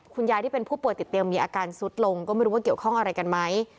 คุณยายที่เป็นผู้ป่วยติดเตียงมีอาการซุดลงก็ไม่รู้ว่าเกี่ยวข้องอะไรกันไหม